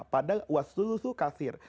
padahal wasulul kasir